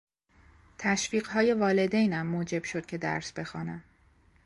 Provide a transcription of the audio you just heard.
تشویق های والدینم موجب شد که درس بخوانم.